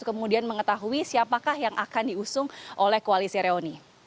kemudian mengetahui siapakah yang akan diusung oleh kuali sireoni